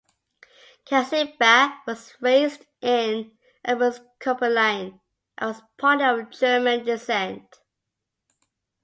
Katzenbach was raised an Episcopalian, and was partly of German descent.